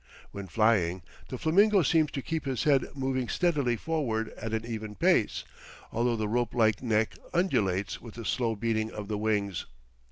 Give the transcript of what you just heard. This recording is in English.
When flying, the flamingo seems to keep his head moving steadily forward at an even pace, although the ropelike neck undulates with the slow beating of the wings.